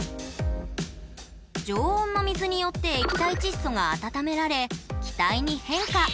常温の水によって液体窒素が温められ気体に変化。